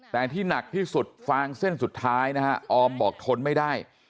แต่ที่หนักที่สุดฟางเส้นสุดท้ายนะฮะออมบอกทนไม่ได้